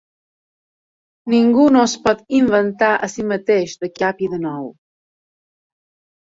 Ningú no es pot inventar a si mateix de cap i de nou.